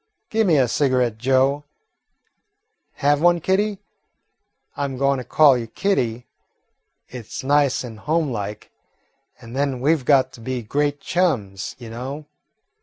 Gi' me a cigarette, Joe. Have one, Kitty? I 'm goin' to call you Kitty. It 's nice and homelike, and then we 've got to be great chums, you know."